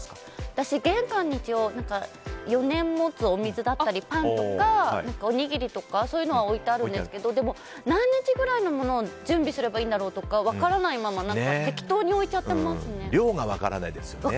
私、玄関に一応４年持つお水だったりパンとか、おにぎりとかそういうのは置いてあるんですがでも、何日くらいのものを準備すればいいんだろうとか分からないまま適当に置いちゃってますね。